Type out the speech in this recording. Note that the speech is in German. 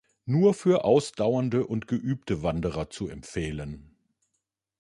Nur für ausdauernde und geübte Wanderer zu empfehlen.